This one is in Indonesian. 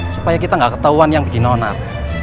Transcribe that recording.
supaya kita gak ketahuan yang bikin onap